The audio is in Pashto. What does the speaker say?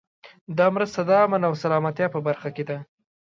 دا مرسته د امن او سلامتیا په برخه کې ده.